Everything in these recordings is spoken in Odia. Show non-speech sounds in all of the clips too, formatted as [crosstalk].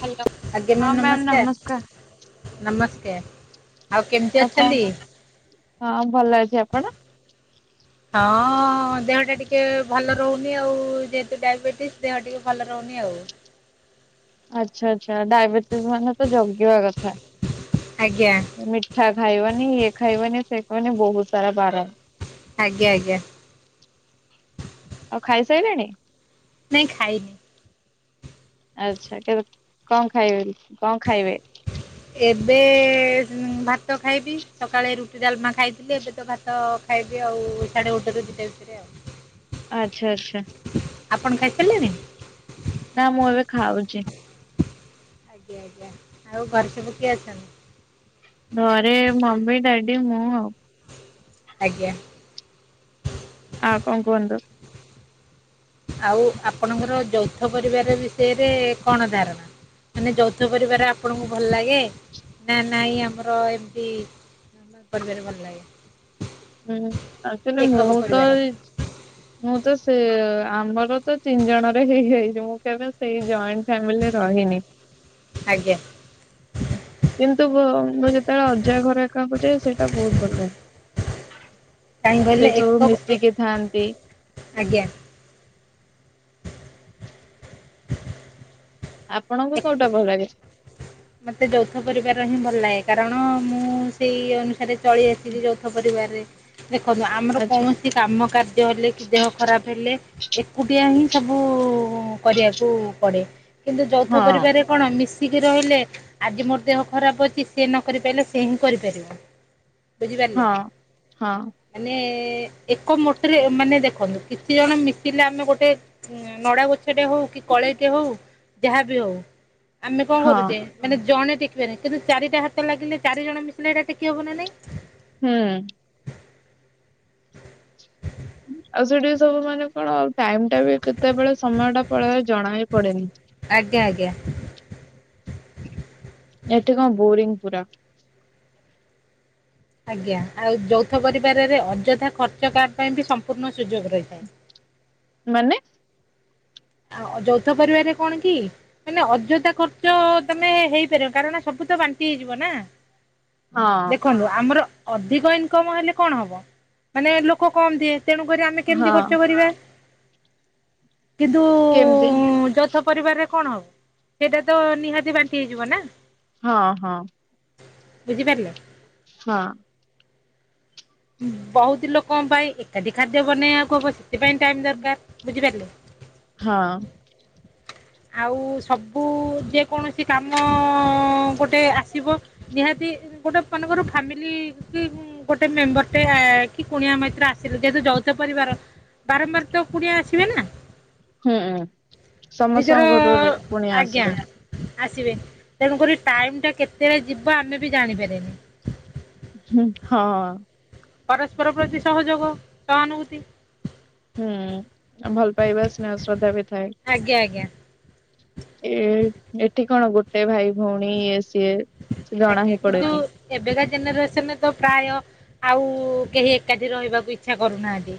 ହାଲୋ। ଆଜ୍ଞା ମ୍ୟାମ୍ ନମସ୍କାର ନମସ୍କାର। କେମିତି ଆଉ ଅଛନ୍ତି? କଣ ହଁ ଭଲ ଅଛି ଆପଣ? ହଁ ଦେହଟା ଟିକେ ଭଲ ରହୁନି ଆଉ ଯେହେତୁ ଡାଇବେଟିସ୍ ଦେହ ଟିକେ ଭଲ ରହୁନି ଆଉ। ଆଚ୍ଛା ଆଛା ଡାଇବେଟିସ୍ ମାନେତ ଜଗିବା କଥା। ଆଜ୍ଞା। ମିଠା ଖାଇବନି ଇଏ ଖାଇବନି ସେ ଖାଇବନି ବହୁତ୍ ସାରା ବାର ଆଜ୍ଞା ଆଜ୍ଞା। ଆଉ ଖାଇସାରିଲେଣି? ନାଇଁ ଖାଇନି। ଆଚ୍ଛା କେବେ କଁ ଖାଇବେ କଁ ଖାଇବେ? ଏବେ ଭାତ ଖାଇବି ସକାଳେ ରୁଟି ଡ଼ାଲମା ଖାଇଥିଲି ଏବେତ ଭାତ ତ ଖାଇବି ଆଉ ସାଢେ ଗୋଟେରୁ ଦିଟା ଭିତରେ ଆଉ। ଆଚ୍ଛା ଆଚ୍ଛା। ଆପଣ ଖାଇ ସାରିଲେଣି? ନା ମୁଁ ଏବେ ଖାଉଚି। ଆଜ୍ଞା ଆଜ୍ଞା ଆଉ ଘରେ ସବୁ କିଏ ଅଛନ୍ତି? ଘରେ ମମି ଡାଡି ମୁଁଆଉ। ଆଜ୍ଞା। ଆଉ କଣ କୁହନ୍ତୁ? ଆଉ ଆପଣଙ୍କର ଯୌଥ ପରିବାର ବିଷୟରେ କଣ ଧାରଣା? ମାନେ ଯୌଥ ପରିବାର ଆପଣଙ୍କୁ ଭଲ ଲାଗେ ନା ନାଇଁ ଆମର ଏମତି ଆ ପରିବାର ଭଲ ଲାଗେ। ହୁଁ ଆକ୍ଚୁଲି ଏକକ ମୁତ ପରିବାର ଏଇ ମୁଁତ ସେ ଆମରତ ତିନି ଜଣରେ ହେଇଯାଉ ମୁଁ କେବେ ସେଇ ଜଏଣ୍ଟ ଫ୍ୟାମିଲିରେ ରହିନି। [inaudible] ଆଜ୍ଞା। କିନ୍ତୁ ବୁ ମୁଁ ଯେତେବେଳେ ଅଜା ଘର ଏକାକୁ ଯାଏ ସେଇଟା ବହୁତ ଭଲ ଲାଗେ। କାହିଁ କହିଲେ ସେ ଏକ ସବୁ ମିଶିକି ଥାଆନ୍ତି। ଆଜ୍ଞା। ଆପଣଙ୍କୁ କୋଉଟା ଭ ଲାଗେ? ମତେ ଯୌଥ ପରିବାର ହିଁ ଭଲ ଲାଗେ କାରଣ ମୁଁ ସେଇ ଅନୁସାରେ ଚଳି ଆସିଚି ଯୌଥ ପରିବାରରେ ଦେଖନ୍ତୁ ଆମର ଆଚ୍ଛା କୌଣ କି କାମ କାର୍ଯ୍ୟ ହେଲେ କି ଦେହ ଖରାପ ହେଲେ ଏକୁଟିଆ ହିଁ ସବୁ କରିବାକୁ ପଡେ। କିନ୍ତୁ ଯୌଥ ହଁ। ପରିବାରରେ କଣ ମିଶିକି ରହିଲେ। ଆଜି ମୋର ଦେହ ଖରାପ ଅଛି ସେ ନ କରି ପାରିଲେ ସେ ହିଁ କରିପାରିବ। ବୁଝିପାରିଲେ, ହଁ ହଁ ମାନେ ଏକ ମୋଟରେ ମାନେ ଦେଖନ୍ତୁ କିଛି ଜଣ ମିଶିଲେ ଆମେ ଗୋଟେ ନଡା ଗୋଛାଟେ ହଉ କି କଳେଇଟେ ହଉ ଯାହା ବି ହଉ ଆମେ କଣ କରୁଚେ ହଁ ମାନେ ଜଣେ ଟେକିପାରି ବେନି କିନ୍ତୁ ଚାରିଟା ହାତ ଲାଗିଲେ ଚାରି ଜଣ ମିଶିଲେ ହେଟା ଟେକି ହବନା ନାଇଁ। ହୁଁ। ଆଉ ସେଠି ସବୁ ମାନେ କଣ ଟାଇମ ଟା ବି କେତେବେଳେ ସମୟ ଟା ପଳାଏ ଜଣା ହେ ପଡେନି। ଆଜ୍ଞା ଆଜ୍ଞା। ଏଠି କଣ ବୋରିଂ ପୁରା। ଆଜ୍ଞା ଆଉ ଯୌଥ ପରିବାରରେ ଅଯଥା ଖର୍ଚ୍ଚ କା ପାଇଁ ବି ସମ୍ପୂର୍ଣ୍ଣ ସୁଯୋଗ ରହିଥାଏ। ମାନେ ଆ ଯୌଥ ପରିବାରରେ କଣ କି ମାନେ ଅଯଥା ଖର୍ଚ୍ଚ ତମେ ହେଇପାରିବ କାରଣ ସବୁ ତ ବାଣ୍ଟି ହେଇଯିବ ନା। ହଁ ଦେଖନ୍ତୁ ଆମର ଅଧିକ ଇନକମ ହେଲେ କଣ ହବ ମାନେ ଲୋକ କମ ଦିଏ। ତେଣୁକରି ଆମେ କେମିତି ହଁ ଖର୍ଚ୍ଚ କରିବା। କିନ୍ତୁ କେମିତି ଯୌଥ ପରିବାରରେ କଣ ହବ ସେଇଟା ତ ନିହା ତି ବାଣ୍ଟି ହେଇଯିବ ନା ହଁ ହଁ ବୁଝିପାରିଲେ। ହଁ। ବହୁତ ଲୋକ ପାଇଁ ଏକାଠି ଖାଦ୍ୟ ବନେଇଆକୁ ହବ ସେଥିପାଇଁ ଟାଇମ ଦରକାର ବୁଝିପାରିଲେ। ହଁ। ଆଉ ସବୁ ଯେ କୌଣସି କାମ ଗୋଟେ ଆସିବ ନିହାତି ଗୋଟେ ମନେକର ଫ୍ୟାମିଲି କି ଗୋଟେ ମେମ୍ବର ଟେ କି କୁଣିଆ ମୈତ୍ର ଆସିଲେ ଯେହେତୁ ଯୌଥ ପରିବାର ବାରମ୍ବାର ତ କୁଡିଆ ଆସିବେ ନା। ହୁଁ ନିଜର ସମସ୍ତଙ୍କ ଘରୁ ରେ କୁଣିଆ ଆଜ୍ଞା ଆସିବେ। ଆସିବେ, ତେଣୁକରି ଟାଇମ ଟା କେତେ ଳେ ଯିବ ଆମେ ବି ଜାଣିପାରେନି। ହୁଁ ହଁ। ପରସ୍ପର ପ୍ରତି ସହଯୋଗ ସହାନୁଭୂତି। ହୁଁ ଭଲ ପାଇବା ସ୍ନେହ ଶ୍ରଦ୍ଧା ବି ଥାଏ। ଆଜ୍ଞା ଆଜ୍ଞା। ଏ ଏଠି କଣ ଗୋଟେ ଭାଇ ଭଉଣୀ ଇଏ ସିଏ। ଜଣା ଆଜ୍ଞା ହିଁ କିନ୍ତୁ ପଡେନି ଏବେକା ଜେନେରେସନରେ ତ ପ୍ରାୟ ଆଉ କେହି ଏକାଠି ରହିବାକୁ ଇଚ୍ଛା କରୁନାହାନ୍ତି।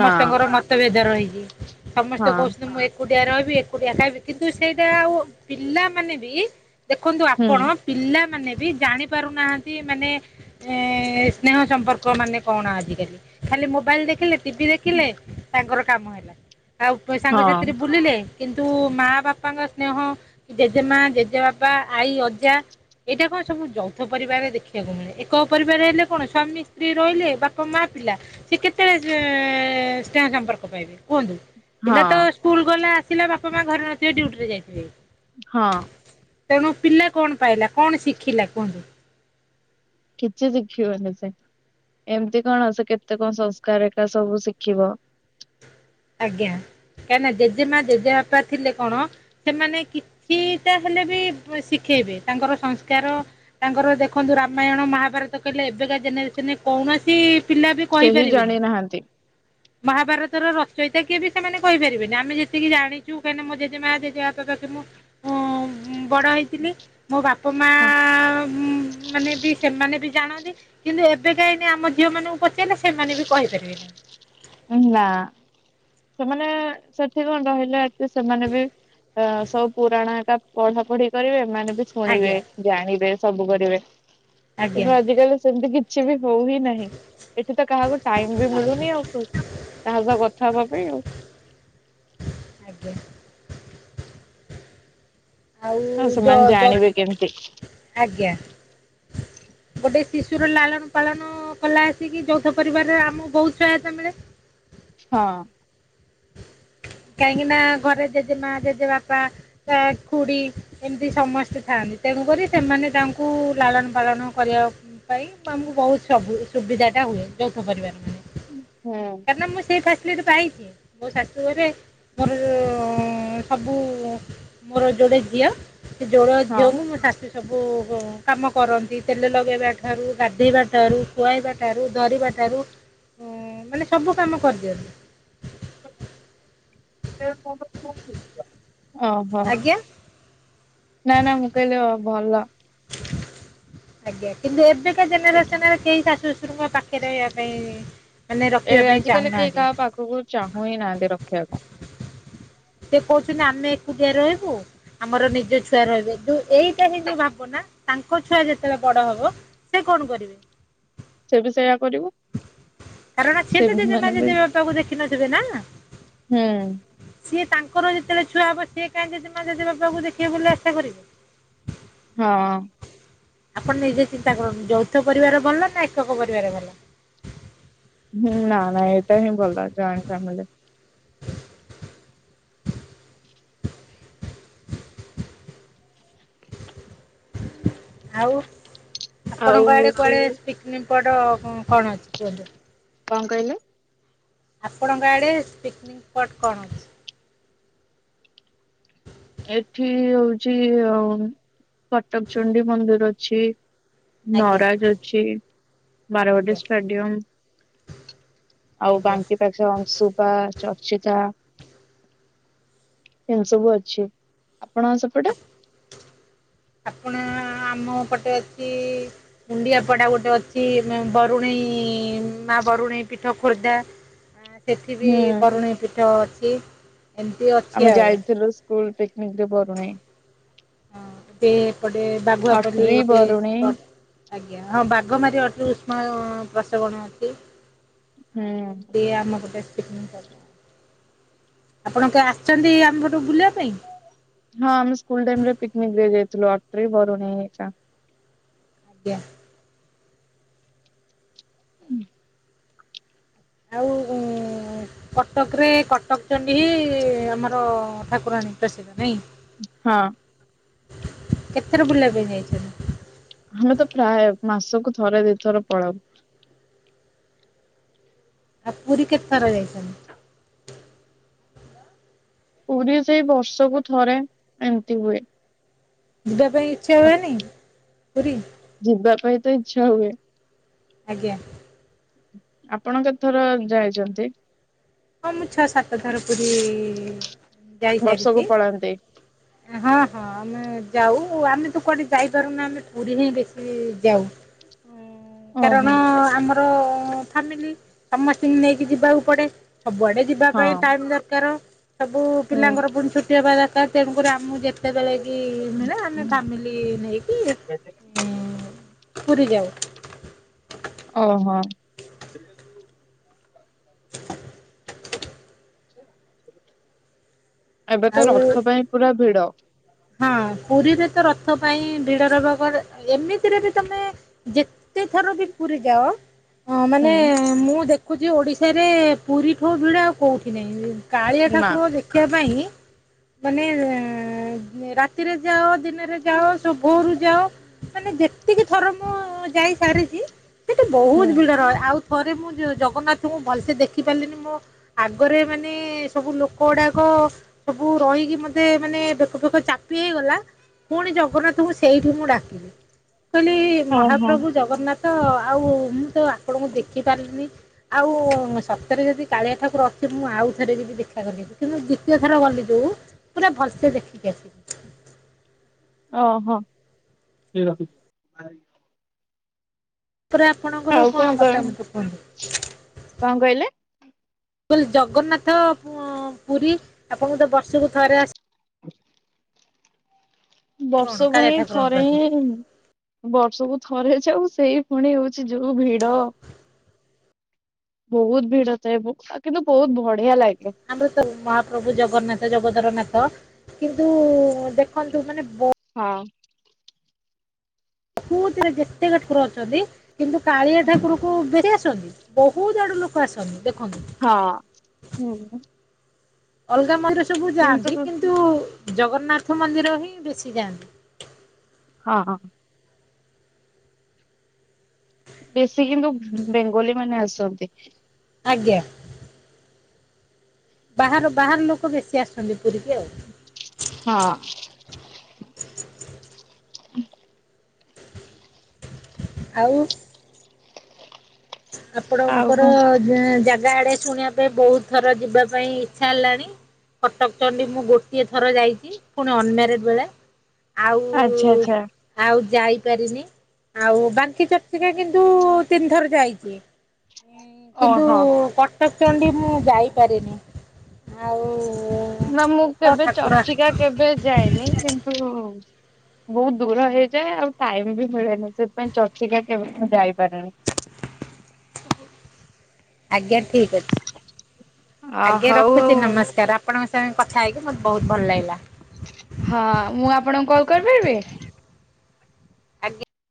ନା ମତଭେଦ ରହିଛି, ସମସ୍ତେ ହଁ କହୁଛନ୍ତି ମୁଁ ଏକୁଟିଆ ରହିବି ଏକୁଟିଆ ଖାଇବି କିନ୍ତୁ ସେଇଟା ଆଉ ପିଲାମାନେ ବି ଦେଖନ୍ତୁ ହୁଁ ଆପଣ ପିଲାମାନେ ବି ଜାଣି ପାରୁନାହାଁନ୍ତି ମାନେ ଏ ସ୍ନେହ ସମ୍ପର୍କ ମାନେ କଣ ଆଜିକାଲି। ଖାଲି ମୋବାଇଲ ଦେଖିଲେ ଟିଭି ଦେଖିଲେ ତାଙ୍କର କାମ ହେଲା। ଆଉ ହଁ ସାଙ୍ଗସାଥିରେ ବୁଲିଲେ କିନ୍ତୁ ମାଆ ବାପାଙ୍କ ସ୍ନେହ କି ଜେଜେମା, ଜେଜେବାପା ଆଈ, ଅଜା ଏଇଟା କଣ ସବୁ ଯୌଥ ପରିବାରରେ ଦେଖିବାକୁ ମିଳେ ଏକକ ପରିବାରରେ ହେଲେ କଣ ସ୍ୱାମୀ ସ୍ତ୍ରୀ ରହିଲେ ବାପ ମା ପିଲା। ସେ କେତେଳେ ସ୍ନେହ ସମ୍ପର୍କ ପାଇବେ। କୁହନ୍ତୁ ପିଲା ହଁ ତ ସ୍କୁଲ ଗଲା ଆସିଲା ବାପା ମା ଘରେ ନଥିବେ ଡୁଟିରେ ଯାଇଥିବେ। ହଁ। ତେଣୁ ପିଲା କଣ ପାଇଲା କଣ ଶିଖିଲା କୁହନ୍ତୁ? କିଛି ଶିଖିବନି ସେ ଏମିତି କଣ ସେ କେତେ କଣ ସଂସ୍କାର ଏକା ସବୁ ଶିଖିବ। ଆଜ୍ଞା କାହିଁ ନା ଜେଜେମା ଜେଜେବାପା ଥିଲେ କଣ ସେମାନେ କିଛିଟା ହେଲେ ବି ଶିଖେଇବେ ତାଙ୍କର ସଂସ୍କାର ତାଙ୍କର ଦେଖନ୍ତୁ ରାମାୟଣ ମହାଭାରତ କହିଲେ ଏବେକା ଜେନେରେସନରେ କୌଣସି ପିଲା ବି କେହି କହିିପାରିବେନି ଜାଣି ନାହାନ୍ତି ମହାଭାରତ ର ଚଇତା କିଏ ବି ସେମାନେ କହିପାରିବେନି ଆମେ ଯେତିକି ଜାଣିଛୁ କାହିଁକି ମୋ ଜେଜେମା ଜେଜେ ବାପା ତଖ ମୁଁ [inaudible] ବଡ ହେଇଥିଲି ମୋ ବାପା ମା ହଁ ମାନେ ବି ସେମାନେ ବି ଜାଣନ୍ତି। କିନ୍ତୁ ଏବେ କାହିଁକି ଆମ ଝିଅ ମାନଙ୍କୁ ପଚାରିଲେ ସେମାନେ ବି କହିପାରିବେନି। ନା ସେମାନେ ସେଠି କଣ ରହିଲେ ସେମାନେ ବି ତ ସବୁ ପୁରାଣା ଏକା ପଢା ପଢି କରିବେ ମାନେ ବି ଶୁଣିବେ ଆଜ୍ଞା ଜାଣିବେ ସବୁ କରିବେ ଆଜ୍ଞା କିନ୍ତୁ ଆଜିକାଲି ସେମିତି କି କିଛି ବି ହଉ ହି ନାହିଁ ଏଠି ତ କାହାକୁ ଟାଇମ ବି ମିଳୁନି ଆଉ। ତାହା ସହ କଥା ହେବା ପାଇଁ ଆଉ। ଆଜ୍ଞା। ଆଉ ହଁ ଜ ସେମାନେ ଜ ଜାଣିବେ କେମତି। ଆଜ୍ଞା ଗୋଟେ ଶିଶୁର ଲାଳନ ପାଳନ କଲା ଆସିକି ଯୌଥ ପରିବାରରେ ଆମକୁ ବହୁତ ସହାୟତା ମିଳେ ହଁ। କାହିଁକି ନା ଘରେ ଜେଜେ ମା ଜେଜେ ବାପା ତା ଖୁଡି ଏମିତି ସମସ୍ତେ ଥାଆନ୍ତି ତେଣୁକରି ସେମାନେ ତାଙ୍କୁ ଲାଳନ ପାଳନ କରିବା ପାଇଁ ଆମକୁ ବହୁତବ ସୁବିଧାଟା ହୁଏ ଯୌଥ ପରିବାରରେ। ହୁଁ। କାରଣ ମୁଁ ସେଇ ଫ୍ୟାସିଲିଟି ପାଇଛି ମୋ ଶାଶୁ ଘରେ ମୋର ସବୁ ମୋର ଯୋଡେ ଝିଅ ସେ ଯୋଡ ଝିଅ ହଁ। ମୁଁ ମୋ ଶା ସବୁ କାମ କରନ୍ତି ତେଲ ଲଗାଇବା ଠାରୁ ଗାଧୋଇବା ଠାରୁ ଖୁଆଇବା ଠାରୁ ଧରିବା ଠାରୁ ହଁ। ଓ ମାନେ ସବୁ କାମ କରିଦିଅନ୍ତୁ। ହଁ ହଁ। ଆଜ୍ଞା ନା ନା ମୁଁ କହିଲି ଭଲ। ଆଜ୍ଞା କିନ୍ତୁ ଏବେକା ଜେନେରେସନରେ କେହି ଶାଶୁ ଶଶୁରଙ୍କ ପାଖରେ ରହିବା ପାଇଁ ମାନେ ରଖିବା ଏଇ ପାଇଁ ଆଜିକାଲି କେହି ଚାହୁଁନାହାନ୍ତି କାହା ପାଖକୁ ଚାହୁଁ ହିଁ ନାହାନ୍ତି ରଖିବାକୁ। ସେ କହୁଛନ୍ତି ଆମେ ଏକୁଟିଆ ରହିବୁ ଆମର ନିଜ ଛୁଆ ରହିବେ ଯୋଉ ଏଇଟା ହିଁ ଯୋଉ ଭାବନା ତାଙ୍କ ଛୁଆ ଯେତେବେଳେ ବଡ ହବ ସେ କଣ କରିବେ ସେ ବି ସେଇଆ କରିବ। କାରଣ ସିଏ ସେ ତ ଜେଜେମା ମାନେ ବି ଜେଜେ ବାପାକୁ ଦେଖିିନଥିବେ ନା। ହୁଁ ସିଏ ତାଙ୍କର ଯେତେବେଳେ ଛୁଆ ହବ ସିଏ କାଇଁ ଜେଜେମା ଜେଜେ ବାପାଙ୍କୁ ଦେଖିବେ ବୋଲି ଆଶା କରିବେ। ହଁ। ଆପଣ ନିଜେ ଚିନ୍ତା କରନ୍ତୁ ଯୌଥ ପରିବାର ଭଲ ନା ଏକକ ପରିବାର ଭଲ? ହୁଁ ନା ନା ଏଟାହିଁ ଭଲ ଜଏଣ୍ଟ ଫ୍ୟାମିଲି। ଆଉ ଆଉ ଆପଣଙ୍କ ଆଡେ ହଉଛି କୁଆଡେ ପିକନିକ ସ୍ପଟ କଣ ଅଛି କୁହନ୍ତୁ? କଣ କହିଲେ? ଆପଣଙ୍କ ଆଡ଼େ ପିକନିକ ସ୍ପଟ୍ କଣ ଅଛି? ଏଠି ହଉଛି ଅମ କଟକ ଚଣ୍ଡୀ ମନ୍ଦିର ଅଛି। ଆଜ୍ଞା ନରାଜ ଅଛି ବାରବାଡିୀ ଆଜ୍ଞା ଷ୍ଟାଡିୟମ ଆଉ ଆଜ୍ଞା ବାଙ୍କି ଟା ସେ ଅଂଶୁପା ଚର୍ଚିକା ଏମିତି ସବୁ ଅଛି। ଆପଣଙ୍କ ସେପଟେ? ଆପଣ ଆମ ପଟେ ଅଛି କୁଣ୍ଡିଆ ପଡ଼ା ଗୋଟେ ଅଛି ବରୁଣେଇ ମା ବରୁଣେଇ ପୀଠ ଖୋର୍ଦ୍ଧା। ସେଠି ବି ହୁଁ ବରୁଣେଇ ପିଠ ଅଛି ଏମିତି ଅ ଆମେ ଯାଇଥିଲ ସ୍କୁଲ ପିକନିକରେ ବରୁଣେଇ। ହଁ ଗୋଟେ ଏପଟେ ବାଘୁଆପା୍ଲି ଅଟ୍ରି ଗୋଟେ ବରୁଣେଇ ସ୍ପଟ। ଆଜ୍ଞା ହଁ ବାଘମାରି ଅଟ ଉଷ୍ମ ପ୍ରସବଣ ଅଛି। ହୁଁ ଆଉ ଏମତି ଆମକୁ ଦେଖିଛନ୍ତି ସାର। ଆପଣ କେ ଆସିଛନ୍ତି ଆମ ପଟୁ ବୁଲିବା ପାଇଁ? ହଁ ଆମେ ସ୍କୁଲ ଟାଇମରେ ପିକନିକରେ ଯାଇଥିଲୁ ଅଟ୍ରି ବରୁଣେଇ ଚା ଆଜ୍ଞା। ଆଉ ଉଁ କଟକରେ କଟକ ଚଣ୍ଡୀ ହିଁ ଆମର ଠାକୁରାଣୀ ପ୍ରସିଦ୍ଧ ନାଇଁ? ହଁ। କେତେଥର ବୁଲିବା ପାଇଁ ଯାଇଛନ୍ତି? ଆମେ ତ ପ୍ରାୟ ମାସକୁ ଥରେ ଦିଇଥର ପଳାଉ। ଆ ପୁରୀ କେତେ ଥର ଯାଇଛନ୍ତି? ପୁରୀ ସେଇ ବର୍ଷକୁ ଥରେ ଏମତି ହୁଏ। ଯିବା ପାଇଁ ଇଚ୍ଛା ହୁଏନି ପୁରୀ? ଯିବା ପାଇଁ ତ ଇଚ୍ଛା ହୁଏ। ଆଜ୍ଞା। ଆପଣ କେତ ଥର ଯାଇଛନ୍ତି? ହଁ ମୁଁ ଛଅ ସାତ ଥର ପୁରୀ ଇ ବର୍ଷକୁ ଯାଇସାରିଛି। ପଳାନ୍ତି। ହଁ ହଁ ଆମେ ଯାଉ ଆମେ ତ କୁଆଡେ ଯାଇପାରୁନା ଆମେ ପୁରୀ ହିଁ ବେଶୀ ଯାଉ। କାରଣ ଓହୋ ଆମର ଫାମିଲି ସମସ୍ତଙ୍କୁ ନେଇକି ଯିବାକୁ ପଡେ ସବୁଆଡେ ଯିବା ହଁ ପାଇଁ ଟାଇମ ଦରକାର ସବୁ ହୁଁ ପିଲାଙ୍କର ପୁଣି ଛୁଟି ହବା ଦରକାର ତେଣୁକରି ଆମକୁ ଯେତ ଜେତେବେଳେ କି ମିଳେ ଆମେ ଫାମିଲି ନେଇକି ପୁରି ଯାଉ। ଓ ହୋ। [unintelligible] ଏବେ ତ ଆଉ ରଥ ପାଇଁ ପୁରା ଭିଡ। ହଁ ପୁରୀରେ ତ ରଥ ପାଇଁ ଭିଡ଼ ରହିବ। ବ ଏମିତିରେ ବି ତମେ- ଯେତେ ଥର ବି ପୁରୀ ଯାଅ। ହଁ ମାନେ ହୁଁ। ମୁଁ ଦେଖୁଛି ଓଡିଶାରେ ପୁରୀ ପୁରୀଠୁ ଭିଡ ଆଉ କୋଉଠି ନାହିଁ। କାଳିଆ ନା ଠାକୁର ଦେଖିବା ପାଇଁ ମାନେ- ରାତିରେ ଯାଅ ଦିନରେ ଯାଅ ସ ଭୋରରୁ ଯାଅ। ମାନେ ଯେତିକି ଥର ମୁଁ ଯାଇ ସାରିଛି ସେଠି ହୁଁ। ବହୁତ ଭିଡ ରହେ ଆଉ - ଥରେ ମୁଁ ଜଗନ୍ନାଥଙ୍କୁ ଭଲସେ ଦେଖିପାରିଲିନି ମୁଁ। ଆଗରେ ମାନେ ସବୁ ଲୋକ ଗୁଡାକ ସବୁ ରହିକି ମତେ ମାନେ। ମୋ ପୁଅ ଚାପି ହେଇଗଲା। ପୁଣି ଜଗନ୍ନାଥଙ୍କୁ ସେଇଠି ମୁଁ ଡାକିଲି। କହିଲି- ଓହୋ ମହାପ୍ରଭୁ ଜଗନ୍ନାଥ ଆଉ ମୁଁ ତ ଆପଣଙ୍କୁ ଦେଖିପାରିଲିନି। ଆଉ ସତରେ ଯଦି କାଳିଆ ଠାକୁର ଅଛୁ। ମୁଁ ଆଉ ଥରେ ଯିବି ଦେଖା କରିବି। କିନ୍ତୁ ଦ୍ୱଵିତୀୟ ଥର ଗଲି ଯୋଉ- ପୁରା ଭଲସେ ଦେଖିକି ଆସିଲି। ଓ ହଁ [unintelligible] ପରେ ଆପଣଙ୍କର ଆଉ କଣ କର ମତା ମତ କୁହନ୍ତୁ। କଣ କହିଲେ? କହିଲି ଜଗନ୍ନାଥ ପୁରୀ ଆପଣଙ୍କୁ ତ ବର୍ଷକୁ ଥରେ ଆସ। [unintelligible] କଣ ବର୍ଷକୁ କାଳିଆ ହିଁ ଠାକୁରଙ୍କ ଥରେ ପ୍ରତି। ହିଁ। ବର୍ଷକୁ ଥରେ ଯାଉ ସେଇ ପୁଣି ହଉଛି ଯୋଉ ଭିଡ। ବହୁତ ଭିଡ ଥାଏ କିନ୍ତୁ ବହୁତ ବଢିଆ ଲାଗେ। ଆମର ତ ମହାପ୍ରଭୁ ଜଗନ୍ନାଥ ଜଗତରନାଥ କିନ୍ତୁ ଦେଖନ୍ତୁ ମାନେ- ହଁ। ବହୁତ ମାନେ ଯେତେକ ଠାକୁର ଅଛନ୍ତି କିନ୍ତୁ କାଳିଆ ଠାକୁରକୁ ବେଶୀ ଆସନ୍ତି। ବହୁତ ଆଡୁ ଲୋକ ଆସନ୍ତି ଦେଖନ୍ତୁ। ହଁ ହୁଁ। ଅଲଗା ମନ୍ଦିର ସବୁ ଯାଆନ୍ତି କିନ୍ତୁ ଜଗନ୍ନାଥ ମନ୍ଦିର ହିଁ ବେଶୀ ଯାଆନ୍ତି। ହଁ ହଁ। ବେଶୀ କିନ୍ତୁ ବେଙ୍ଗଲୀ ମାନେ ଆସନ୍ତି। ଆଜ୍ଞା। ବାହାର ବାହାର ଲୋକ ବେଶୀ ଆସୁଛନ୍ତି ପୁରିକି ଆଉ। ହଁ। [inaudible] ଆଉ। ଆଉ ଆପଣଙ୍କର କଣ ଜା ଜାଗା ଆଡେ ଶୁଣିଆ - ଏ ବହୁତ ଥର ଯିବା ପାଇଁ ଇଚ୍ଛା ହେଲାଣି। କଟକ ଚଣ୍ଡୀ ମୁଁ ଗୋଟିଏ ଥର ଯାଇଛି ପୁଣି ଅନ ମ୍ୟାରେଡ ବେଳେ। ଆଉ ଆଚ୍ଛା ଆଚ୍ଛା। ଆଉ ଯାଇପାରିନି। ଆଉ ବାଙ୍କି ଚର୍ଚ୍ଚିକା କିନ୍ତୁ ତିନି ଥର ଯାଇଛି। କିନ୍ତୁ ଓହୋ କଟକ ଚଣ୍ଡୀ ମୁଁ ଯାଇପାରିନି। ଆଉ ନା ମୁଁ ଦେଖ କେବେ ଠାକୁର ଚର୍ଚିକା କେବେ ଯାଇନି କିନ୍ତୁ ବହୁତ ଦୂର ହେଇଯାଏ ଆଉ ଟାଇମ ବି ମିଳେନି ସେଥିପାଇଁ ଚର୍ଚିକା କେବେ ମୁଁ ଯାଇପାରୁନି। ଆଜ୍ଞା ଠିକ ଅଛି। ଆ ଆଜ୍ଞା ହଉ ରଖୁଛି ନମସ୍କାର ଆପ୍ ଆପଣଙ୍କ ସାଙ୍ଗେ କଥା ହେଇକି ମୋତେ ବହୁତ ଭଲ ଲାଗିଲା। ହଁ ମୁଁ ଆପଣଙ୍କୁ କଲ୍ କରିପାରିବି? ଆଜ୍ଞା